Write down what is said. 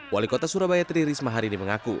wali kota surabaya tririsma hari ini mengaku